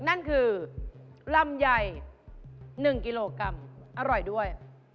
นั่นคือลำไย๑กิโลกรัมอร่อยด้วย